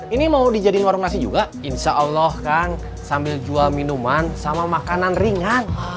ini mau dijadiin warung nasi juga insyaallah kan sambil jual minuman sama makanan ringan